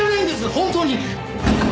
本当に！